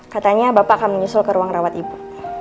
katanya bapak akan menyusul ke ruang rawat ibu